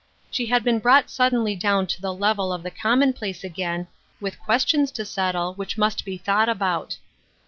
She had been brought suddenly down to the level of the commonplace again, with questions to settle which must be thought about.